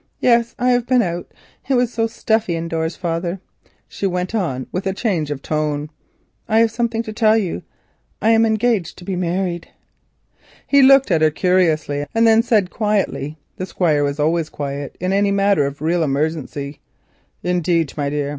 "Yes, I have been out. It was so stuffy indoors. Father," she went on, with a change of tone, "I have something to tell you. I am engaged to be married." He looked at her curiously, and then said quietly—the Squire was always quiet in any matter of real emergency—"Indeed, my dear!